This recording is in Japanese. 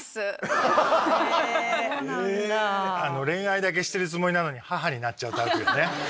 恋愛だけしてるつもりなのに母になっちゃうタイプよね。